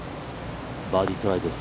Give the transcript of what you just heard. バーディートライです。